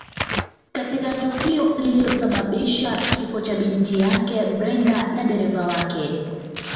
Katika tukio lililosababisha kifo cha binti yake Brenda na dereva wake